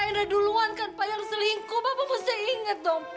hendra duluan kan papa yang selingkuh papa mesti inget dong